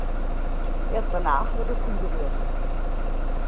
Erst danach wird es umgerührt.